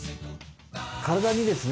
体にですね